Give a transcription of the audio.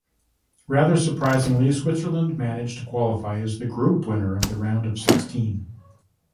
Rather surprisingly, Switzerland managed to qualify as the group winner of the round of sixteen.